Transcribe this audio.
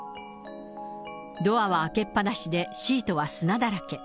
ドアは開けっ放しでシートは砂だらけ。